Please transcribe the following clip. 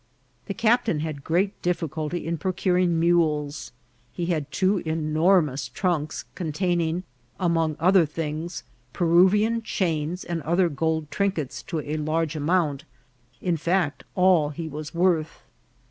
The captain had great difficulty in procuring mules ; he had two enormous trunks, containing, among other things, Peruvian chains and other gold trinkets to a large amount ; in fact, all he was worth.